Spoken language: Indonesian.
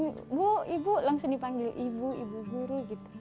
ibu ibu langsung dipanggil ibu ibu guru gitu